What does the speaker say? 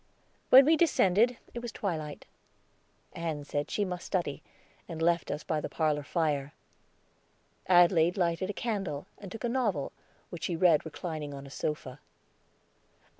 When we descended it was twilight. Ann said she must study, and left us by the parlor fire. Adelaide lighted a candle, and took a novel, which she read reclining on a sofa.